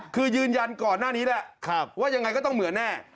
คือยืนยันก่อนหน้านี้แหละว่ายังไงก็ต้องเหมือนแน่